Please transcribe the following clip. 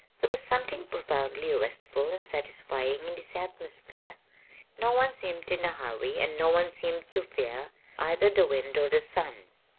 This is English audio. There was something profoundly restful and satisfying in this atmosphere. No one seemed in a hurry and no one seemed to fear either the wind or the sun.